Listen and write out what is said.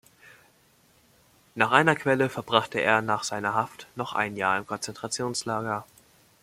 Nach einer Quelle verbrachte er nach seiner Haft noch ein Jahr in einem Konzentrationslager.